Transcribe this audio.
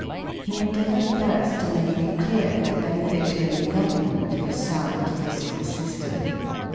He endeavored first to make clear the benefit to any government of a sound fiscal system.